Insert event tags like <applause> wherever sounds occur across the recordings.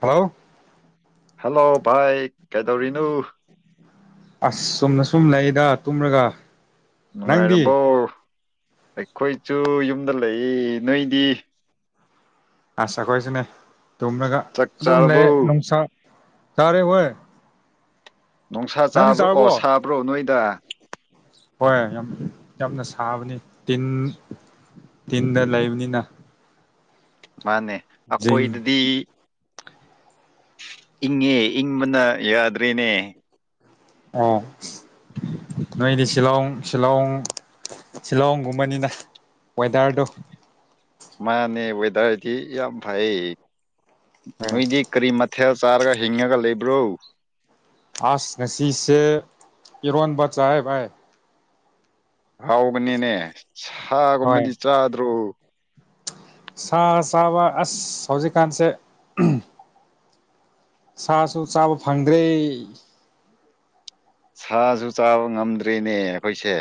hello hello ꯚꯥꯏ ꯀꯩꯗꯧꯔꯤꯅꯣ ꯑꯁ ꯆꯨꯝꯅ ꯁꯨꯝ ꯂꯩꯌꯦꯗ ꯇꯨꯝꯔꯒ ꯅꯪꯗꯤ ꯅꯨꯡꯉꯥꯏꯔꯕꯣ ꯑꯩꯈꯣꯏꯆꯨ ꯌꯨꯝꯗ ꯂꯩꯌꯦ ꯅꯣꯏꯗꯤ ꯑꯁ ꯑꯈꯣꯢꯁꯨꯅꯦ ꯇꯨꯝꯔꯒ ꯆꯥꯛ ꯑꯗꯨꯝ ꯆꯥꯔꯕꯣ ꯂꯩꯌꯦ ꯅꯨꯡꯁꯥ ꯆꯥꯔꯦ ꯍꯣꯢ ꯅꯨꯡꯁꯥ ꯆꯥꯕ꯭ꯔ ꯑꯣ ꯁꯥꯕ꯭ꯔꯣ ꯅꯣꯏꯗ ꯍꯣꯏ ꯌꯥꯝ ꯌꯥꯝꯅ ꯁꯥꯕꯅꯤ ꯇꯤꯟ ꯇꯤꯟꯗ ꯂꯩꯕꯅꯤꯅ ꯃꯥꯅꯦ ꯖꯤꯡ ꯑꯩꯈꯣꯏꯗꯗꯤ ꯏꯪꯉꯦ ꯏꯪꯕꯅ ꯌꯥꯗ꯭ꯔꯦꯅꯦ ꯑꯣ ꯅꯣꯏꯗꯤ ꯁꯤꯂꯣꯡ ꯁꯤꯂꯣꯡ ꯁꯤꯂꯣꯡꯒꯨꯝꯕꯅꯤꯅ ꯋꯦꯗꯔꯗꯣ ꯃꯥꯅꯦ ꯋꯦꯠ ꯑꯗꯨꯔꯗꯤ ꯌꯥꯝ ꯐꯩꯌꯦ ꯅꯣꯏꯗꯤ ꯀꯔꯤꯃꯠ ꯊꯦꯜ ꯆꯥꯔꯒ ꯍꯤꯡꯉꯒ ꯂꯩꯕ꯭ꯔꯣ ꯑꯥꯁ ꯉꯁꯤꯁꯦ ꯏꯔꯣꯟꯕ ꯆꯥꯌꯦ ꯚꯥꯏ ꯍꯥꯎꯕꯅꯤꯅꯦ ꯍꯣꯏ ꯁꯥꯒꯨꯝꯕꯗꯤ ꯆꯥꯗ꯭ꯔꯣ ꯁꯥ ꯆꯥꯕ ꯑꯁ ꯍꯧꯖꯤꯛꯀꯥꯟꯁꯦ ꯁꯥꯁꯨ ꯆꯥꯕ ꯐꯪꯗ꯭ꯔꯦ ꯁꯥꯁꯨ ꯆꯥꯕ ꯉꯝꯗ꯭ꯔꯦꯅꯦ ꯑꯩꯈꯣꯏꯁꯦ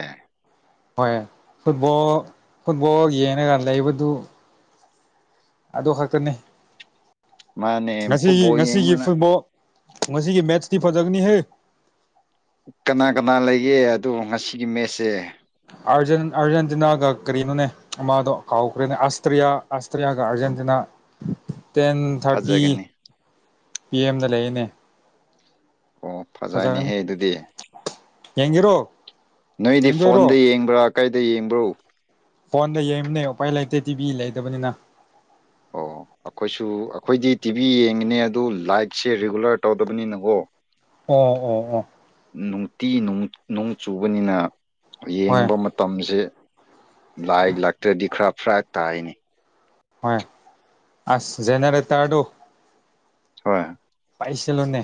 ꯍꯣꯏ ꯐꯨꯠꯕꯣꯜ ꯐꯨꯠꯕꯣꯜ ꯌꯦꯡꯉꯒ ꯂꯩꯕꯗꯨ ꯑꯗꯨ ꯈꯛꯇꯅꯤ ꯃꯥꯅꯦ ꯉꯁꯤꯒꯤ ꯐꯨꯠꯕꯣꯜ ꯉꯁꯤꯒꯤ ꯌꯦꯡꯕꯅ ꯐꯨꯠꯕꯣꯜ ꯉꯁꯤꯒꯤ ꯃꯦꯠꯁꯇꯤ ꯐꯖꯒꯅꯤ ꯍꯦ ꯀꯅꯥ ꯀꯅꯥ ꯂꯩꯒꯦ ꯑꯗꯣ ꯉꯁꯤꯒꯤ ꯃꯦꯠꯁꯁꯦ ꯑꯥꯔꯖꯦꯟ ꯑꯥꯔꯖꯦꯟꯇꯤꯅꯥꯒ ꯀ꯭ꯔꯤꯅꯣꯅꯦ ꯑꯃꯥꯗꯣ ꯀꯥꯎꯈ꯭ꯔꯦꯅꯦ ꯑꯥꯁꯇ꯭ꯔꯤꯌꯥ ꯑꯥꯁꯇ꯭ꯔꯤꯌꯥꯒ ꯑꯥꯔꯖꯦꯟꯇꯤꯅꯥ ꯇꯦꯟ ꯊꯥꯔꯇꯤ ꯐꯖꯒꯅꯤ ꯄꯤꯑꯦꯝꯗ ꯂꯩꯌꯦꯅꯦ ꯑꯣ ꯐꯖꯒꯅꯤ ꯐꯖꯩꯅꯦꯍꯦ ꯑꯗꯨꯗꯤ ꯌꯦꯡꯒꯦꯔꯣ ꯅꯣꯏꯗꯤ ꯌꯦꯡꯗꯣꯏꯔꯣ ꯐꯣꯟꯗ ꯌꯦꯡꯕ꯭ꯔꯥ ꯀꯩꯗ ꯌꯦꯡꯕ꯭ꯔꯣ ꯐꯣꯟꯗ ꯌꯦꯡꯕꯅꯦ ꯎꯄꯥꯏ ꯂꯩꯇꯦ ꯇꯤꯚꯤ ꯂꯩꯇꯕꯅꯤꯅ ꯑꯣ ꯑꯈꯣꯏꯁꯨ ꯑꯩꯈꯣꯏꯗꯤ ꯇꯤꯚꯤ ꯌꯦꯡꯒꯅꯤ ꯑꯗꯨ ꯂꯥꯏꯠꯁꯦ ꯔꯤꯒꯨꯂꯔ ꯇꯧꯗꯕꯅꯤꯅꯀꯣ ꯑꯣ ꯑꯣ ꯑꯣ ꯅꯨꯡꯇꯤ ꯅꯨꯡ ꯅꯣꯡ ꯆꯨꯕꯅꯤꯅ ꯍꯣꯏ ꯌꯦꯡꯕ ꯃꯇꯝꯁꯦ ꯂꯥꯏꯠ ꯂꯥꯛꯇ꯭ꯔꯗꯤ ꯈ꯭ꯔ ꯐ꯭ꯔꯛ ꯇꯥꯏꯌꯦꯅꯦ ꯍꯣꯢ ꯑꯁ ꯖꯦꯅꯦꯔꯦꯇꯔꯗꯨ ꯍꯣꯏ ꯄꯥꯏꯁꯤꯣꯅꯦ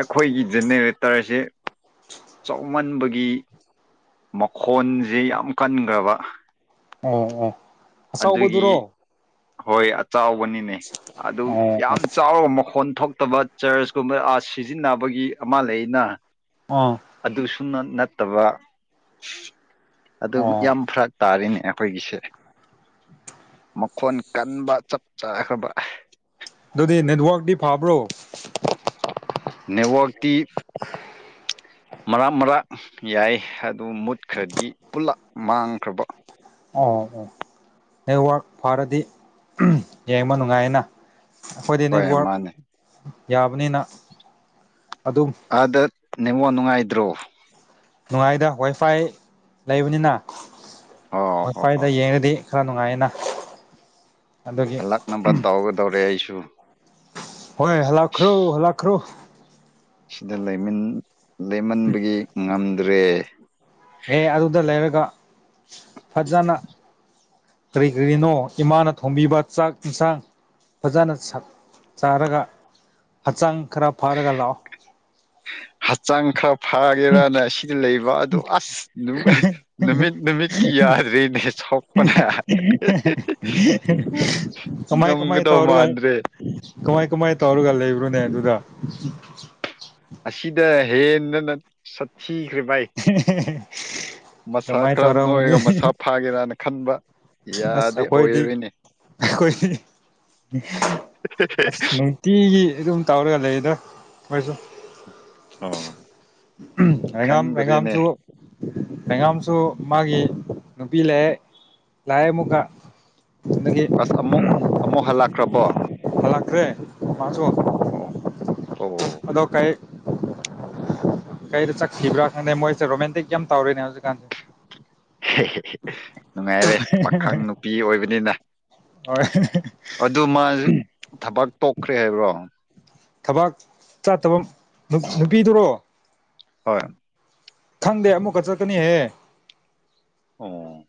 ꯑꯩꯈꯣꯏꯒꯤ ꯖꯦꯅꯦꯔꯦꯇꯔꯁꯦ ꯆꯥꯎꯃꯟꯕꯒꯤ ꯃꯈꯣꯟꯁꯦ ꯌꯥꯝ ꯀꯟꯈ꯭ꯔꯕ ꯎꯝ ꯎꯝ ꯑꯗꯨꯒꯤ ꯍꯣꯏ ꯑꯆꯕꯅꯤꯅꯦ ꯑꯗꯨ ꯑꯣ ꯑꯣ ꯌꯥꯝ ꯆꯥꯎꯔꯕ ꯃꯈꯣꯟ ꯊꯣꯛ ꯐꯠꯇꯕ ꯆꯔꯆ ꯀꯨꯝꯕ ꯑꯥꯔꯠ ꯁꯤꯖꯤꯟꯅꯕꯒꯤ ꯑꯃ ꯂꯩ ꯑꯅ ꯑꯥ ꯁꯅ ꯅꯠꯇꯕ ꯑꯗꯨ ꯑꯣ ꯌꯥꯝ ꯐꯔꯛ ꯇꯥꯔꯤꯅꯦ ꯑꯩꯈꯣꯏꯒꯤꯁꯦ ꯃ ꯈꯣꯟ ꯀꯟꯕ ꯆꯞ ꯆꯥꯈ꯭ꯔꯕ ꯑꯗꯨꯗꯤ ꯅꯦꯠꯋꯔꯇꯤ ꯐꯕ꯭ꯔꯣ ꯅꯦꯋꯥꯛꯇꯤ ꯃꯔꯥ ꯃꯔꯥꯛ ꯌꯥꯏ ꯑꯗꯨ ꯃꯨꯠꯈ꯭ꯔꯗꯤ ꯄꯨꯜꯂꯞ ꯃꯥꯡꯈ꯭ꯔꯕ ꯑꯣ ꯑꯣ ꯅꯦꯠꯋꯔꯛ ꯐꯔꯗꯤ ꯌꯦꯡꯕ ꯅꯨꯡꯉꯥꯏꯌꯦꯅ ꯑꯩꯈꯣꯏꯗꯤ ꯍꯣꯏ ꯅꯦꯠꯋꯔꯛ ꯃꯥꯅꯦ ꯌꯥꯕꯅꯤꯅ ꯑꯗꯨꯝ ꯑꯗ ꯅꯦꯉꯣꯟ ꯅꯨꯡꯉꯥꯏꯗ꯭ꯔꯣ ꯅꯨꯡꯉꯥꯏꯗ ꯋꯥꯏꯐꯥꯏ ꯂꯩꯕꯅꯤꯅ ꯑꯣ ꯍꯣ ꯍꯣ ꯃꯐꯥꯏꯗ ꯌꯦꯅꯗꯤ ꯈꯔ ꯅꯨꯡꯉꯥꯏꯌꯦꯅ ꯑꯗꯨꯒꯤ ꯍꯜꯂꯛ ꯅꯝꯕꯔ ꯇꯧꯒꯗꯧꯔꯦ ꯑꯩꯁꯨ ꯍꯣꯏ ꯍꯂꯈ꯭ꯔꯣ ꯍꯜꯂꯈ꯭ꯔꯣ ꯁꯤꯗ ꯂꯩꯃꯤ ꯂꯩꯃꯟꯕꯒꯤ ꯉꯝ ꯇꯦ ꯑꯦ ꯑꯗꯨꯗ ꯂꯩꯔꯒ ꯐꯖꯅ ꯀꯔꯤ ꯀꯔꯤꯅꯣ ꯏꯃꯥꯅ ꯊꯣꯝꯕꯤꯕ ꯆꯥꯛ ꯌꯦꯟꯁꯥꯡ ꯐꯖꯅ ꯆꯥꯔꯒ ꯍꯛꯆꯥꯡ ꯈꯔ ꯐꯥꯔꯒ ꯂꯥ ꯐꯥꯒꯦꯔꯅ ꯁꯤꯗ ꯂꯩꯕ ꯑꯗꯨ ꯑꯁ ꯅꯨꯃꯤꯠ ꯅꯨꯃꯤꯠꯀꯤ ꯌꯥꯗ꯭ꯔꯦꯅꯦ ꯁꯣꯛꯄꯅ ꯀꯃꯥꯏ ꯀꯃꯥꯏ ꯉꯝꯒꯗꯧ ꯇꯧꯔꯒ ꯃꯥꯟꯗ꯭ꯔꯦ ꯏꯕ꯭ꯔꯅꯦ ꯑꯗꯨꯗꯨꯗꯥ ꯑꯁꯤꯗ ꯍꯦꯟꯅꯅ ꯆꯠ ꯀꯤꯈ꯭ꯔꯦ ꯚꯥꯏ ꯃꯁꯥ ꯑꯗꯨꯃꯥꯏꯅ ꯈꯔ ꯇꯧꯔꯝꯒꯅꯤ ꯅꯣꯏꯔꯒ ꯃꯁꯥ ꯐꯥꯒꯦꯔꯥꯅ ꯈꯟꯕ ꯑꯁ ꯌꯥꯗꯦ ꯑꯩꯈꯣꯏꯗꯤ ꯑꯣꯏꯔꯣꯏꯅꯦ ꯑꯩꯈꯣꯏꯗꯤ ꯑꯁ ꯅꯨꯡꯇꯤ ꯑꯗꯨꯝ ꯇꯧꯔꯒ ꯂꯩꯗ ꯃꯣꯏꯁꯨ ꯑꯣ ꯔꯦꯉꯝ ꯈꯪꯗ꯭ꯔꯦꯅꯦ ꯔꯦꯉꯝꯁꯨ ꯂꯩꯉꯝꯁꯨ ꯃꯥꯒꯤ ꯅꯨꯄꯤ ꯂꯩ ꯂꯌꯦꯃꯒ ꯑꯁ ꯑꯃꯨ ꯑ ꯑꯃꯨ ꯍꯜꯂꯀ ꯀ꯭ꯔꯕ ꯐꯂꯥꯛ꯭ꯔꯦ ꯄꯆꯣ ꯑꯣ ꯑꯣ ꯑꯗꯣ ꯀꯩ ꯀꯩꯗ ꯆꯠꯈꯤꯕ꯭ꯔꯥ ꯈꯪꯗꯦ ꯃꯣꯏꯁꯦ ꯔꯣꯃꯦꯟꯇꯤꯛ ꯌꯥꯝ ꯇꯧꯔꯤꯅꯦ ꯍꯧꯖꯤꯛꯀꯥꯟꯁꯦ <inaudible> ꯅꯨꯡꯉꯥꯏꯔꯦ ꯄꯥꯈꯪ ꯅꯨꯄꯤ ꯑꯣꯏꯕꯅꯤꯅ ꯍꯣꯏ ꯑꯗꯨ ꯃꯥꯁꯨ ꯊꯕꯛ ꯇꯣꯛꯈ꯭ꯔꯦ ꯍꯥꯏꯕ꯭ꯔꯣ ꯊꯕꯥꯛ ꯆꯠꯇꯕ ꯅꯨꯄꯤꯗꯨꯔꯣ ꯍꯣꯏ ꯈꯪꯗꯦ ꯑꯃꯨꯛꯀ ꯆꯠꯀꯅꯤꯍꯦ ꯑꯣ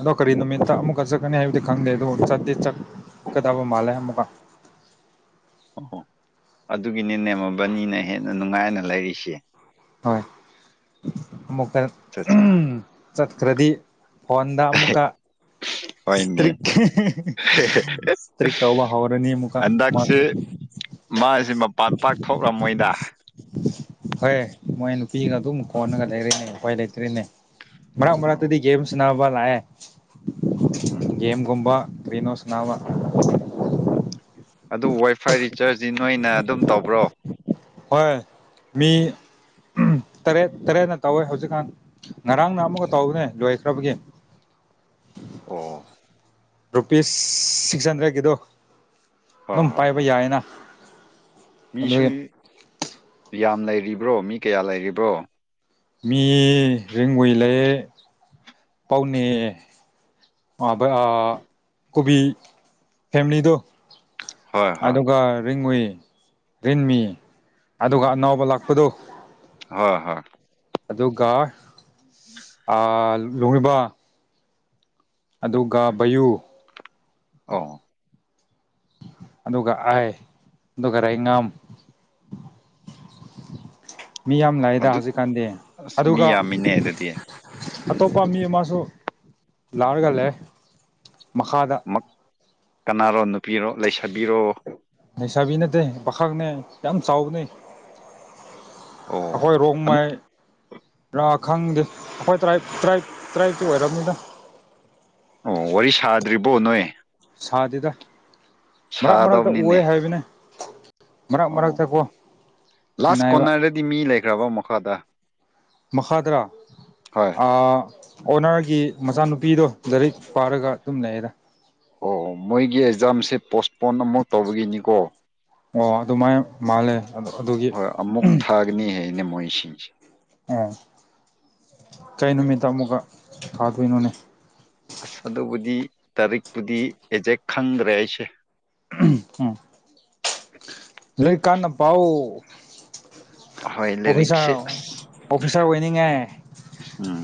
ꯑꯗꯣ ꯀꯔꯤ ꯅꯨꯃꯤꯠꯇ ꯑꯃꯨꯛꯀ ꯆꯠꯀꯅꯤ ꯍꯥꯏꯕꯗꯤ ꯈꯪꯗꯦ ꯑꯗꯣ ꯆꯠꯇꯦ ꯆꯠꯀꯗꯕ ꯃꯥꯜꯂꯦ ꯑꯃꯨꯛꯀ ꯑꯣ ꯍꯣ ꯑꯗꯨꯒꯤꯅꯦꯅꯦꯃ ꯕꯅꯤꯅ ꯍꯦꯟꯅ ꯅꯨꯡꯉꯥꯏꯅ ꯂꯩꯔꯤꯁꯦ ꯍꯣꯏ ꯑꯃꯨꯛ ꯐ ꯑꯠꯆꯥ ꯑꯠꯆꯥ ꯆꯈ꯭ꯔꯗꯤ ꯐꯣꯟꯣꯟꯗ ꯑꯃꯨꯀ ꯍꯣꯏꯅꯦ ꯏꯁꯇꯔꯤꯛ ꯏꯁꯇ꯭ꯔꯤꯛ ꯀꯧꯕ ꯍꯧꯥꯎꯔꯅꯤ ꯑꯃꯨꯀ ꯍꯟꯗꯛꯁꯦ ꯃꯥꯁꯨ ꯃꯥꯁꯦ ꯃꯄꯥꯟ ꯄꯥꯛ ꯊꯣꯛꯂꯝꯃꯣꯏꯗ ꯍꯣꯏ ꯃꯣꯏ ꯅꯨꯄꯤꯒ ꯑꯗꯨꯝ ꯀꯣꯟꯅꯒ ꯂꯩꯔꯤꯅꯦ ꯑꯩꯈꯣꯏ ꯂꯩꯇ꯭ꯔꯤꯅꯦ ꯃꯔꯛ ꯑꯣ ꯃꯔꯛꯇꯗꯤ ꯒꯦꯝ ꯁꯟꯅꯅꯕ ꯂꯥꯛꯑꯦ ꯎꯝ ꯒꯦꯝꯒꯨꯝꯕ ꯀꯅꯣꯁ ꯅꯃ ꯑꯗꯨ ꯋꯥꯏ ꯐꯥꯏ ꯔꯤꯆꯥꯔꯖꯗꯤ ꯅꯣꯏꯅ ꯑꯗꯨꯝ ꯇꯧꯕ꯭ꯔꯣ ꯍꯣꯏ ꯃꯤ ꯇꯔꯦꯠ ꯇꯔꯦꯠꯅ ꯇꯧꯋꯦ ꯍꯧꯖꯤꯛꯀꯥꯟ ꯉꯔꯥꯡꯅ ꯑꯃꯨꯛꯀ ꯇꯧꯕꯅꯦ ꯂꯣꯏꯈ꯭ꯔꯕꯒꯤ ꯑꯣ ꯔꯨꯄꯤꯁ ꯁꯤꯛꯁ ꯍꯟꯗ꯭ꯔꯦꯠꯀꯤꯗꯣ ꯑꯗꯨꯝ ꯄꯥꯏꯕ ꯌꯥꯏꯅ ꯑꯗꯨꯒꯤ ꯃꯤꯁꯣꯏ ꯌꯥꯝ ꯂꯩꯔꯤꯕ꯭ꯔꯣ ꯃꯤ ꯀꯌꯥ ꯂꯩꯔꯤꯕ꯭ꯔꯣ ꯃꯤ ꯔꯦꯡꯒꯏꯂꯦ ꯄꯥꯎꯅꯦ ꯃ ꯀꯕꯤ ꯐꯦꯃꯤꯂꯤꯗꯨꯣ ꯍꯣꯏ ꯍꯣꯏ ꯑꯗꯨꯒ ꯔꯤꯡ ꯎꯨꯏ ꯔꯤꯟꯃꯤ ꯑꯗꯨꯒ ꯑꯅꯥꯎꯕ ꯂꯥꯛꯄꯗꯨꯣ ꯍꯣꯏ ꯍꯣꯏ ꯑꯗꯨꯒ ꯂꯣꯡꯉꯕ ꯑꯗꯨꯒ ꯕꯌꯨ ꯑ ꯑꯗꯨꯒ ꯑꯥꯏ ꯑꯗꯨꯒ ꯔꯥꯏꯉꯝ ꯃꯤ ꯌꯥꯝ ꯂꯥꯛꯑꯦꯗ ꯑꯗꯨ ꯍꯧꯖꯤꯛꯀꯥꯟꯗꯤ ꯑꯁ ꯃꯤ ꯑꯗꯨꯒ ꯌꯥꯝꯃꯤꯅꯦ ꯑꯗꯨꯗꯤ ꯑꯇꯣꯞꯄ ꯃꯤ ꯑꯃꯁꯨ ꯂꯥꯎꯔꯒ ꯂꯩꯔꯦ ꯃꯈꯥꯗ ꯃꯛ ꯀꯅꯥꯔꯣ ꯅꯨꯄꯤꯔꯣ ꯂꯩꯁꯕꯤꯔꯣ ꯂꯩꯩꯁꯥꯕꯤ ꯅꯠꯇꯦ ꯄꯥꯈꯪꯅꯦ ꯌꯥꯝ ꯆꯥꯎꯕꯅ ꯑꯣ ꯑꯩꯈꯣꯏ ꯑꯟ ꯔꯣꯡꯃꯥꯏ ꯔꯥ ꯈꯪꯗꯦ ꯑꯩꯈꯣꯏ ꯇ꯭ꯔꯥꯞ ꯇ꯭ꯔꯥꯏꯞ ꯇ꯭ꯔꯥꯏꯞ ꯇꯤ ꯑꯣꯏꯔꯝꯅꯤꯗ ꯑꯣ ꯋꯥꯔꯤ ꯁꯥꯗ꯭ꯔꯤꯕꯣ ꯅꯣꯏ ꯁꯥꯗꯦꯗ ꯃꯔꯛ ꯃꯔꯛꯇ ꯎꯋꯦ ꯁꯥꯗꯕꯅꯤꯅꯦ ꯍꯥꯏꯕꯅꯦ ꯃꯔꯛ ꯑꯣ ꯃꯔꯛꯇꯥꯛ ꯀꯦ ꯂꯥꯁ ꯎꯅꯥꯏꯕ ꯀꯣꯔꯅꯔꯗꯗꯤ ꯃꯤ ꯂꯩꯈ꯭ꯔꯕ ꯃꯈꯥꯗ ꯃꯈꯥ ꯗꯥꯔꯥ ꯍꯣꯏ ꯑꯣꯅꯔꯒꯤ ꯃꯆꯥꯅꯨꯄꯤꯗꯣ ꯂꯥꯏꯔꯤꯛ ꯄꯥꯔꯒ ꯇꯨꯝ ꯂꯩꯗ ꯑꯣꯑꯣ ꯃꯣꯏꯒꯤ ꯖꯝꯁꯦ ꯄꯣꯁ ꯐꯣꯟ ꯑꯃꯣꯛ ꯇꯧꯕꯒꯤꯅꯤꯀꯣ ꯑꯣ ꯑꯗꯨꯃꯥꯏ ꯃꯥꯜꯂꯦ ꯑꯗꯨ ꯑꯗꯨꯒꯤ ꯑꯝꯍꯝ ꯃꯩꯁꯤꯡꯁꯤ ꯑ ꯀꯩ ꯅꯨꯃꯤꯠꯇ ꯑꯃꯨꯛꯀ ꯈꯥꯗ ꯏꯅꯅꯦ ꯑꯁ ꯑꯗꯨꯕꯨꯗꯤ ꯇꯥꯔꯤꯛꯄꯨꯗꯤ ꯑꯦꯛꯖꯦꯛ ꯈꯪꯗ꯭ꯔꯦ ꯑꯩꯁꯦ ꯎꯝ ꯂꯩꯛ ꯀꯥꯟꯅ ꯄꯥꯎꯑꯣ ꯍꯣꯏ ꯂꯥꯏꯔꯤꯛꯁꯦ ꯑꯣꯐꯤꯁꯥꯔ ꯑꯁ ꯑꯣꯐꯤꯁꯥꯔ ꯑꯣꯏꯅꯤꯡꯉꯦ ꯎꯝ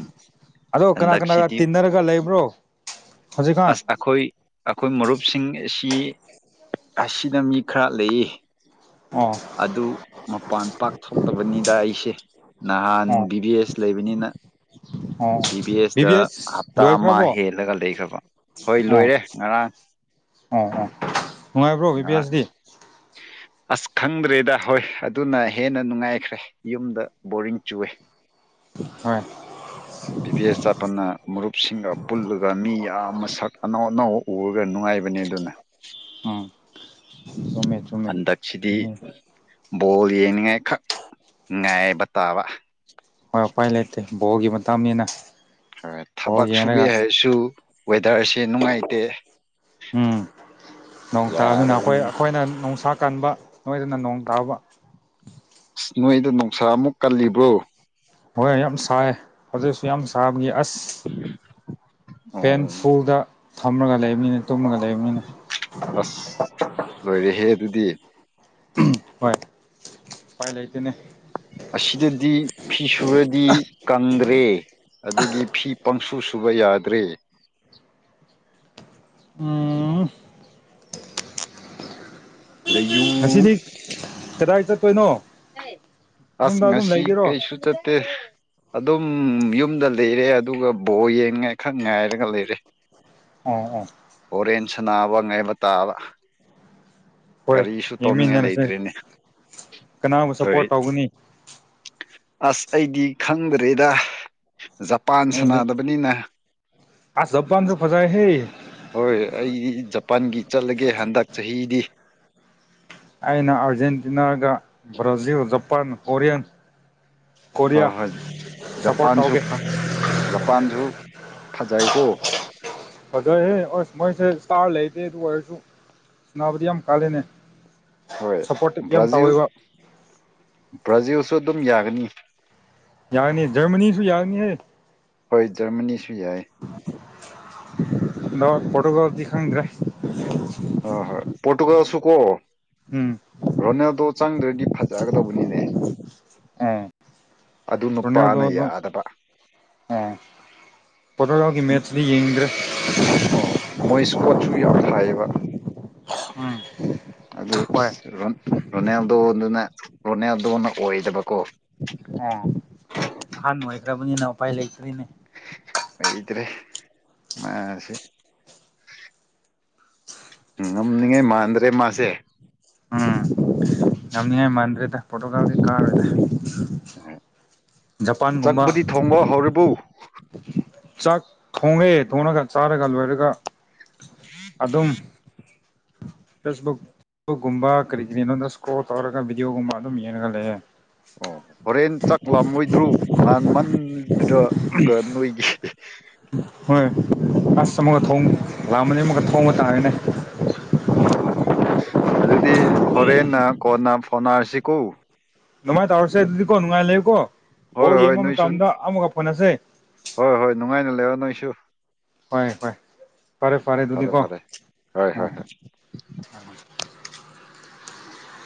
ꯑꯗꯣ ꯀꯅꯥ ꯀꯅꯥꯒ ꯍꯟꯗꯛꯁꯤꯗꯤ ꯇꯤꯟꯅꯔꯒ ꯂꯩꯕ꯭ꯔꯣ ꯍꯧꯖꯤꯛꯀꯥꯟ ꯑꯁ ꯑꯩꯈꯣꯏ ꯑꯩꯈꯣꯏ ꯃꯔꯨꯞꯁꯤꯡ ꯑꯁꯤ ꯑꯁꯤꯗ ꯃꯤ ꯈꯔ ꯂꯩꯌꯦ ꯑꯣ ꯑꯗꯨ ꯃꯄꯥꯟ ꯄꯥꯛꯊꯣꯛꯇꯕꯅꯤꯗ ꯑꯩ ꯁꯤ ꯅꯍꯥꯟ ꯑꯣ ꯚꯤ ꯗꯤ ꯑꯦꯁ ꯂꯩꯕꯅꯤꯅ ꯑꯣ ꯕꯤ ꯗꯤ ꯑꯦꯁꯇ ꯕꯤ ꯑꯦꯁ ꯍꯞꯇꯥ ꯑꯃ ꯂꯣꯏꯈ꯭ꯔꯕꯣ ꯍꯦꯜꯂꯒ ꯂꯩꯈ꯭ꯔꯕ ꯍꯣꯏ ꯂꯣꯏꯔꯦ ꯉꯔꯥꯡ ꯑꯝ ꯎꯝ ꯅꯨꯡꯉꯥꯏꯕ꯭ꯔꯣ ꯕꯤ ꯄꯤ ꯉꯔꯥꯡ ꯑꯦꯁꯗꯤ ꯑꯁ ꯈꯪꯗ꯭ꯔꯦꯗ ꯍꯣꯏ ꯑꯗꯨꯅ ꯍꯦꯟꯅ ꯅꯨꯡꯉꯥꯏꯈ꯭ꯔꯦ ꯌꯨꯝꯗ ꯕꯣꯔꯤꯡ ꯆꯨꯑꯦ ꯍꯣꯏ ꯕꯤ ꯗꯤ ꯑꯦꯁ ꯆꯠꯄꯅ ꯃꯔꯨꯞꯁꯤꯡꯒ ꯄꯨꯜꯂꯒ ꯃꯤ ꯌꯥꯝ ꯃꯁꯛ ꯑꯅꯧ ꯑꯅꯧ ꯎꯔꯒ ꯅꯨꯡꯉꯥꯏꯕꯅꯦ ꯑꯗꯨꯅ ꯎꯝ ꯆꯨꯝꯃꯦ ꯆꯨꯝꯃꯦ ꯍꯟꯗꯁꯤꯗꯤ ꯎꯝ ꯕꯣꯜ ꯌꯦꯡꯅꯤꯡꯉꯥꯏꯈꯛ ꯉꯥꯏꯕ ꯇꯥꯕ ꯍꯣꯏ ꯎꯄꯥꯏ ꯂꯩꯇ ꯕꯣꯒꯤ ꯃꯇꯅꯦꯅ ꯍꯣꯏ ꯊꯕꯛ ꯁꯨꯒꯦ ꯍꯥꯏꯔꯁꯨ ꯋꯦꯗꯔꯁꯦ ꯅꯨꯡꯉꯥꯏꯇꯦ ꯎꯝ ꯅꯣꯡ ꯇꯥꯅꯤꯅ ꯑꯩꯈꯣꯏ ꯌꯥꯗꯕꯅꯤꯅꯦ ꯑꯩꯈꯣꯏꯅ ꯣꯡꯁꯥꯛ ꯀꯟꯕ ꯅꯣꯏꯗꯅ ꯅꯣꯡ ꯇꯥꯕ ꯑꯁ ꯅꯣꯏꯗꯣ ꯅꯨꯡꯁꯥ ꯑꯃꯨꯛ ꯀꯜꯂꯤꯕ꯭ꯔꯣ ꯍꯣꯏ ꯌꯥꯝ ꯁꯥꯏ ꯍꯧꯖꯤꯛꯁꯨ ꯌꯥꯝ ꯁꯥꯕꯒꯤ ꯑꯁ ꯐꯦꯟ ꯑꯣ ꯐꯨꯜꯗ ꯊꯝ꯭ꯔꯒ ꯂꯩ ꯃꯤꯅ ꯑꯁ ꯂꯣꯏꯔꯦꯍꯦ ꯑꯗꯨꯗꯤ ꯍꯣꯏ ꯄꯥꯏ ꯂꯩꯇꯅꯦ ꯑꯁꯤꯗꯗꯤ ꯐꯤꯁ ꯁꯨꯔꯗꯤ ꯀꯟꯗ ꯑꯗꯨꯒꯤ ꯐꯤ ꯄꯪꯁꯨ ꯁꯨꯕ ꯌꯥꯗ꯭ꯔꯦ ꯎꯝ ꯂꯩꯌꯨ ꯍꯦ ꯇꯔ ꯄꯁꯠ ꯀ ꯇꯣꯏꯅ ꯑꯁ ꯉꯁꯤ ꯀꯩꯁꯨ ꯆꯠꯇꯦ ꯑꯗꯨꯝ ꯎꯝ ꯌꯨꯝꯗ ꯂꯩꯔꯦ ꯑꯗꯨꯒ ꯕꯣ ꯌꯦꯡꯉꯥꯏꯈꯛ ꯉꯥꯏꯔꯒ ꯂꯩꯔꯦ ꯑ ꯎ ꯁꯅꯥꯕ ꯉꯥꯏꯕ ꯇꯥꯕ ꯍꯣꯏ ꯀꯔꯤꯁꯨ ꯇꯧꯅꯤꯡꯉꯥꯏ ꯌꯦꯡꯃꯤꯟꯅꯔꯁꯦ ꯂꯩꯇ꯭ꯔꯦꯅꯦ ꯀꯅꯥꯕꯨ ꯍꯣꯏ ꯁꯞꯄꯣꯔꯠ ꯇꯧꯒꯅꯤ ꯑꯁ ꯑꯩꯗꯤ ꯈꯪꯗ꯭ꯔꯦꯗ ꯖꯄꯥꯟ ꯁꯥꯟꯅꯗꯕꯅꯤꯅ ꯑ ꯕꯕꯥꯗ꯭ꯔ ꯐꯖꯥꯏ ꯍꯦ ꯍꯣꯏ ꯑꯩꯗꯤ ꯖꯄꯥꯟꯒꯤ ꯆꯠꯂꯒꯦ ꯍꯟꯗꯛ ꯆꯍꯤꯗꯤ ꯑꯩꯅ ꯑꯥꯔꯖꯦꯟꯇꯤꯅꯥꯒ ꯕ꯭ꯔꯥꯖꯤꯜ ꯖꯄꯥꯟ ꯀꯣꯔꯤꯌꯥꯟ ꯍꯣꯏ ꯍꯣꯏ ꯖꯄꯥꯟꯁꯨ ꯇꯧꯒꯦ ꯐ ꯖꯄꯥꯟꯁꯨ ꯐꯖ ꯀꯧꯕ ꯐꯖꯩꯍꯦ ꯑꯁ ꯃꯣꯏꯁꯦ ꯏꯁꯇꯥꯔ ꯂꯩꯗꯦ ꯑꯗꯨ ꯑꯣꯏꯔꯁꯨ ꯁꯕꯨꯗꯤ ꯌꯥꯝ ꯀꯥꯜꯂꯤꯅꯦ ꯍꯣꯏ ꯁꯥꯄꯣꯔꯇꯦꯝ ꯕ꯭ꯔꯥꯖꯤꯜ ꯇꯧꯏꯕ ꯁꯨ ꯑꯗꯨꯝ ꯌꯥꯒꯅꯤ ꯌꯥꯅꯤ ꯖꯔꯃꯅꯤꯁꯨ ꯌꯥꯅꯤꯍꯦ ꯍꯣꯏ ꯔꯃꯅꯤ ꯐ꯭ꯔꯤ ꯌꯥꯏ ꯑ ꯐꯣꯇꯣꯒ꯭ꯔꯥꯐꯤ ꯈꯪꯗ꯭ꯔꯦ ꯍ ꯍꯣꯏ ꯄꯣꯠ ꯒꯁꯨꯀꯣ ꯎꯝ ꯔꯣꯅꯦꯜꯗꯣ ꯆꯪꯗ꯭ꯔꯗꯤ ꯐꯖꯒꯗꯧꯕꯅꯤꯅꯦ ꯎꯝ ꯑꯗꯨ ꯅꯨꯄꯥꯅ ꯔꯣꯅꯥꯜꯗꯣꯗꯨ ꯌꯥꯗꯕ ꯑ ꯄꯣꯔꯇꯨꯒꯜꯒꯤ ꯃꯦꯠꯆ ꯗꯤ ꯌꯦꯡꯗ꯭ꯔꯦ ꯑꯣ ꯃꯣꯏ ꯏꯁꯀꯣꯠꯁꯨ ꯌꯥꯝ ꯐꯥꯏꯌꯦꯕ ꯑꯗꯨ ꯍꯣꯏ ꯔꯣ ꯔꯣꯅꯥꯜꯗꯣꯗꯨꯅ ꯔꯣꯅꯥꯜꯗꯣꯅ ꯑꯣꯏꯗꯕꯀꯣ ꯅ ꯈꯔꯕꯨꯄꯥꯏ ꯂꯩꯇꯅ ꯑꯩ ꯏꯗꯔꯦ ꯃꯥꯁꯦ ꯎꯝꯅꯤꯡꯉꯦ ꯃꯥꯥꯟꯗ꯭ꯔꯦ ꯃꯥꯁꯦ ꯎꯝ ꯉꯝꯅꯤꯉꯥꯏ ꯃꯥꯟ꯭ꯗꯔꯦꯗ ꯄꯣꯔꯇꯨꯒꯜꯗꯤ ꯀꯥꯔꯣꯏꯗ ꯖꯄꯥꯟꯒꯨꯝꯕ ꯆꯥꯛꯕꯨꯗꯤ ꯊꯣꯡꯕ ꯍꯧꯔꯤꯕꯣ ꯆꯥꯛ ꯊꯣꯡꯑꯦ ꯊꯣꯡꯉꯒ ꯆꯥꯔꯒ ꯂꯣꯏꯔꯒ ꯑꯗꯨꯝ ꯐꯦꯁꯕꯨꯛ ꯐꯕꯨꯛꯀꯨꯝꯕ ꯀꯔꯤꯒꯤ ꯏꯁꯀꯣꯔꯜ ꯇꯧꯔꯒ ꯚꯤꯗꯤꯑꯣꯒꯨꯝꯕ ꯑꯗꯨꯝ ꯌꯦꯡꯒ ꯂꯩꯌꯦ ꯑꯣ ꯍꯣꯔꯦꯟ ꯆꯥꯛ ꯂꯥꯝꯃꯣꯏꯗ꯭ꯔꯣ ꯉꯥꯟꯃꯟ ꯑꯗꯨꯔ ꯒꯟ ꯑꯣꯏꯒ ꯍꯣꯏ ꯑꯁ ꯑꯃꯛꯀ ꯊꯣꯡ ꯂꯥꯛꯑꯃꯅꯤ ꯑꯃꯀ ꯊꯣꯡꯕ ꯇꯥꯔꯦꯅꯦ ꯑꯣ ꯍꯣ ꯍꯣ ꯑꯗꯨꯗꯤ ꯍꯣꯔꯦꯟꯅ ꯀꯣꯟꯅ ꯐꯣꯟꯅꯔꯁꯤꯀꯣ ꯗꯨꯃꯥꯏ ꯇꯧꯔꯁꯦ ꯑꯗꯨꯗꯤ ꯀꯣ ꯅꯨꯡꯥꯏ ꯂꯩꯌꯣ ꯀꯣ ꯍꯣꯏ ꯍꯣꯏ ꯅꯣꯏꯁꯨ ꯍꯣꯏ ꯍꯣꯏ ꯅꯨꯡꯉꯥꯏꯅ ꯂꯩꯑꯣ ꯅꯣꯏꯁꯨ ꯍꯣꯏ ꯐꯣꯏ ꯐꯔꯦ ꯐꯔꯦ ꯑꯗꯨꯗꯤꯀꯣ ꯍꯣꯏ ꯍꯣꯏ ꯍꯣꯏ ꯎꯝ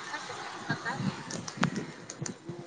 ꯃ ꯀꯥ ꯑꯗꯨꯗ <unintelligible>